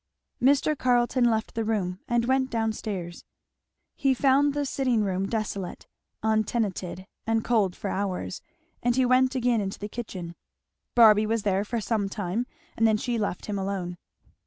Mr. Carleton left the room and went down stairs. He found the sitting room desolate, untenanted and cold for hours; and he went again into the kitchen. Barby was there for some time, and then she left him alone.